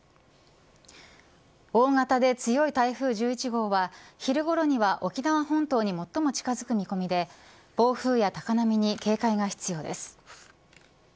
大型で強い台風１１号は昼ごろには沖縄本島に最も近づく見込みで暴風や高波に警戒が必要です。